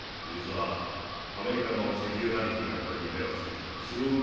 実はアメリカの石油成金がこれに目をつけておりまして。